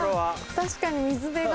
確かに水辺が。